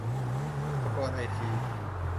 อุปกรณ์ไอที